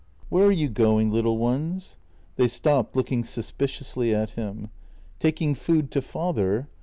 "Where are you going, little ones?" They stopped, looking suspiciously at him. " Taking food to father?